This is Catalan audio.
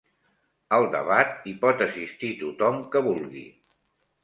Al debat hi pot assistir tothom que vulgui